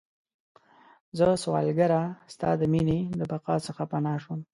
زه سوالګره ستا د میینې، د بقا څخه پناه شوم